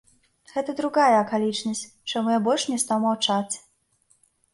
Гэта другая акалічнасць, чаму я больш не стаў маўчаць.